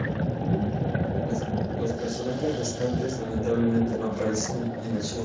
Los personajes restantes lamentablemente no aparecerán en el show.